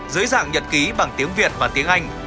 dưới dạng nhật ký bằng tiếng việt và tiếng anh